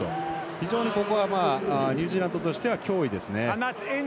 非常に、ここはニュージーランドとしては脅威ですね。